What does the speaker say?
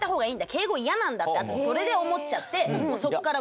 敬語イヤなんだって私それで思っちゃってもうそこから。